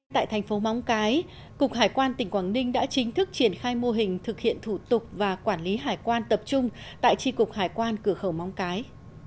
tại thành phố móng cái cục hải quan tỉnh quảng ninh đã chính thức triển khai mô hình thực hiện thủ tục và quản lý hải quan tập trung tại tri cục hải quan cửa khẩu móng cái